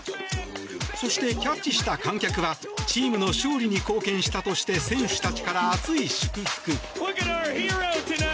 そして、キャッチした観客はチームの勝利に貢献したとして選手たちから熱い祝福。